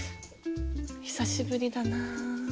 久しぶりだなぁ。